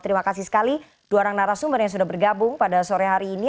terima kasih sekali dua orang narasumber yang sudah bergabung pada sore hari ini